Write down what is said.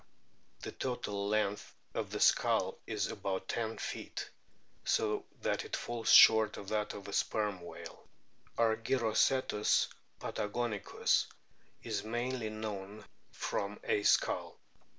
The total length of the skull is about 10 feet, so that it falls short of that of the Sperm whale. Argyrocetus pat agonic us is mainly known from a skull.